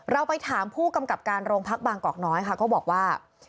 เราไปถามผู้กำกับการโรงพักบางกอกน้อยค่ะก็บอกว่า